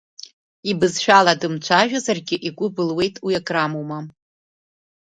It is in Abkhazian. Ибызшәала дымцәажәозаргь, игәы былуеит, уи акрамоума?!